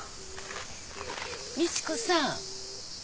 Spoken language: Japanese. ・美知子さん。